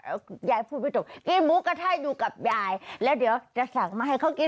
แล้วยายพูดไม่ตกกินหมูกระทะอยู่กับยายแล้วเดี๋ยวจะสั่งมาให้เขากิน